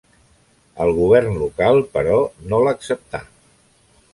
El govern local, però, no l'acceptà.